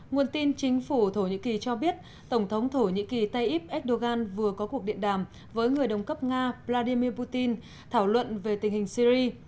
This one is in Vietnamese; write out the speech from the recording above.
nguồn tin chính phủ thổ nhĩ kỳ cho biết tổng thống thổ nhĩ kỳ tayyip erdogan vừa có cuộc điện đàm với người đồng cấp nga vladimir putin thảo luận về tình hình syri